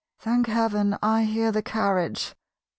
(Thank Heaven, I hear the carriage!)